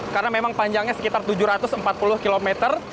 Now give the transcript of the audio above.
karena memang panjangnya sekitar tujuh ratus empat puluh km